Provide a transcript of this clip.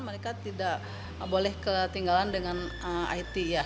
mereka tidak boleh ketinggalan dengan it ya